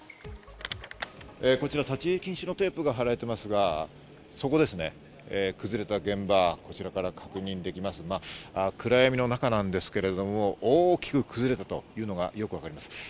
こちら、立ち入り禁止のテープが張られていますが、そこですね、崩れた現場、こちらから確認できますが、暗闇の中なんですけれども、大きく崩れたというのがよくわかります。